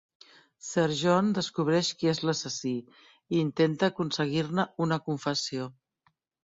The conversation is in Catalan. Sir John descobreix qui és l'assassí, i intenta aconseguir-ne una confessió.